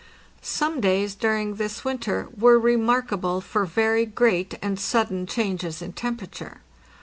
Some days during this winter were remarkable for very great and sudden changes in temperature.